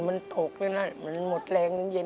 ปุ่นมันตกแล้วนะมันหมดแรงน้อย